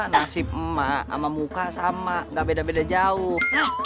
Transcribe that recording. nasib sama muka sama gak beda beda jauh